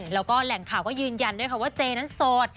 แล้วก็แหล่งข่าวก็ยืนยันด้วยค่ะว่าเจนั้นโสด